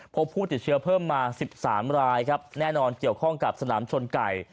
พบผู้ติดเชื้อเพิ่มมา๑๓รายครับแน่นอนเกี่ยวข้องกับสนามชนไก่